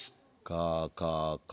かかか。